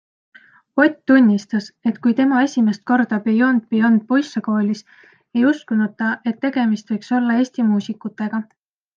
Ott tunnistas, et kui tema esimest korda Beyond Beyond poisse kuulis, ei uskunud ta, et tegemist võiks olla Eesti muusikutega.